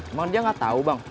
emang dia gak tau bang